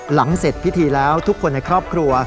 หลังเสร็จพิธีแล้วทุกคนในครอบครัว